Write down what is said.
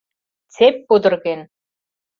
Цепь пудырген!